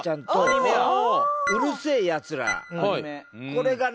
これがね。